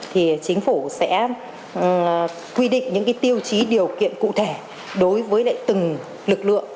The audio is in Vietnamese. thì chính phủ sẽ quy định những tiêu chí điều kiện cụ thể đối với từng lực lượng